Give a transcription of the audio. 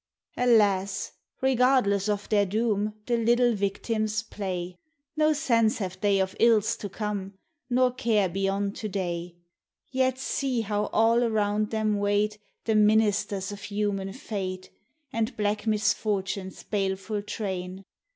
Alas! regardless of their doom, The little victims play! No sense have they of ills to come, Nor care beyond to day; Yet see, how all around them wait The ministers of human fate, And black misfortune's baleful train!